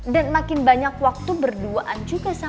dan makin banyak waktu berdua aja